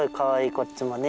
こっちもね。